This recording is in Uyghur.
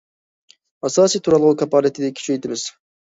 ئاساسىي تۇرالغۇ كاپالىتىنى كۈچەيتىمىز.